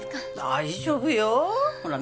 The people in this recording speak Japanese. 大丈夫よほら